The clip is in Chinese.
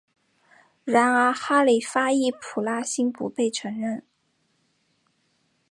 然而哈里发易卜拉欣不被承认。